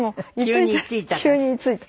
「急に居ついた」。